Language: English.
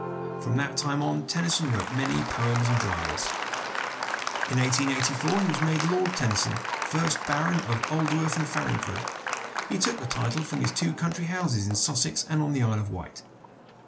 From that time on Tennyson wrote many poems and dramas. In 1884 he was made Lord Tennyson, first Baron of Aldworth and Farringford. He took the title from his two country houses in Sussex and on the Isle of Wight.